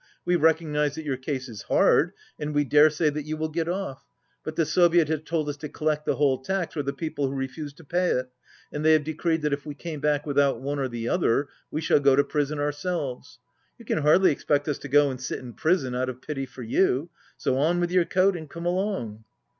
We recognize that your case is hard, and we dare say that you will get off. But the Soviet has told us to collect the whole tax or the people who refuse to pay it, and they have decreed that if we came back without one or the other, we shall go to prison ourselves. You can hardly expect us to go and sit in prison out of pity for you. So on with your coat and come along."